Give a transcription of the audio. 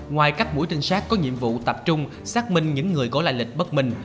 ngoài các buổi trình sát có nhiệm vụ tập trung xác minh những người có lại lịch bất minh